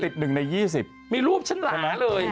แต่คุณติด๑ใน๒๐มีรูปชั้นหลาเลย